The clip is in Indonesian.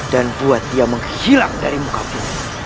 dan buat dia menghilang dari muka ku